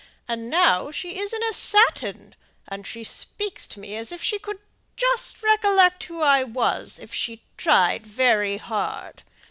And now she is in a satin; and she speaks to me as if she just could recollect who I was, if she tried very hard!